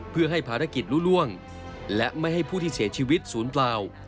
เพื่อให้ภารกิจรู้ล่วงและไม่ให้ผู้ที่เสียชีวิตศูนย์เปล่า